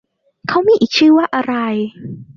เค้ามีอีกชื่อว่าอะไร